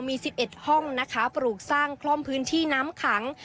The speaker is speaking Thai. มี๑๑ห้องนะคะปลูกสร้างคล่อมพื้นที่น้ำขัง